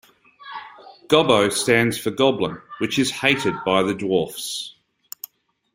Gobbo stands for Goblin, which is hated by the Dwarfs.